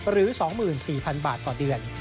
หรือ๒๔๐๐๐บาทต่อเดือน